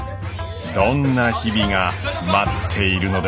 どんな日々が待っているのでしょうか。